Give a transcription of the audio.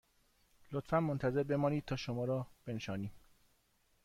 لطفاً منتظر بمانید تا شما را بنشانیم